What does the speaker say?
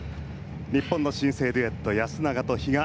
日本の新星デュエット安永と比嘉。